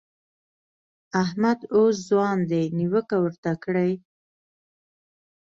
احمد اوس ځوان دی؛ نيوکه ورته کړئ.